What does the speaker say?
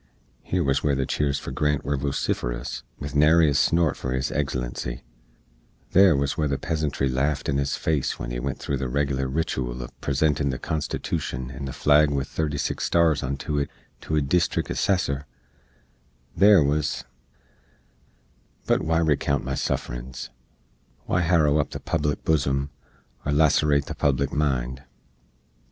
Here wuz where the cheers for Grant were vociferous, with nary a snort for His Eggslency; there wuz where the peasantry laft in his face when he went thro' with the regler ritooal uv presentin the constitooshn and the flag with 36 stars onto it to a deestrick assessor; there wuz but why recount my sufferins? Why harrow up the public bosom, or lasserate the public mind?